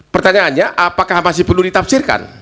pertanyaannya apakah masih perlu ditafsirkan